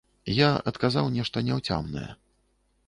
Я адказаў нешта няўцямнае.